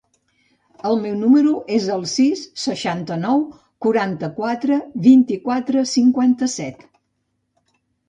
El meu número es el sis, seixanta-nou, quaranta-quatre, vint-i-quatre, cinquanta-set.